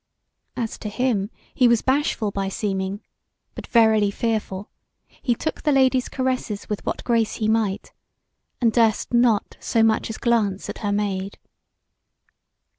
As to him, he was bashful by seeming, but verily fearful; he took the Lady's caresses with what grace he might, and durst not so much as glance at her Maid.